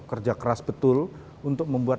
kerja keras betul untuk membuat